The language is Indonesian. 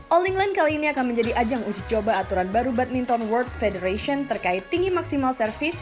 all england kali ini akan menjadi ajang uji coba aturan baru badminton world federation terkait tinggi maksimal service